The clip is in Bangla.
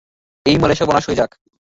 এই মলের সর্বনাশ হয়ে যাক!